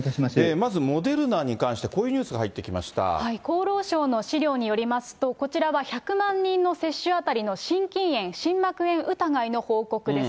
まずモデルナに関して、こう厚労省の資料によりますと、こちらは、１００万人の接種当たりの心筋炎、心膜炎疑いの報告です。